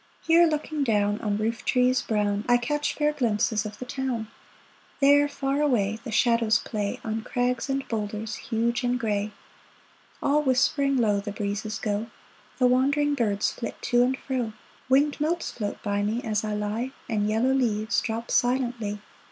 Here, looking down On roof trees brown, I catch fair glimpses of the town. There, far away, The shadows play On crags and bowlders, huge and gray. All whispering low, The breezes go — The wandering birds flit to and fro ; Winged motes float by Me as I lie, And yellow leaves drop silently.